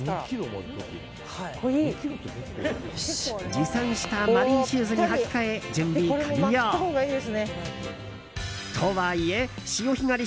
持参したマリンシューズに履き替え、準備完了。とはいえ潮干狩り